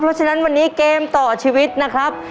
เพราะฉะนั้นวันนี้เกมต่อชีวิตนะครับ